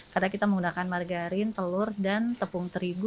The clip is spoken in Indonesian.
karena kita menggunakan margarin telur dan tepung terigu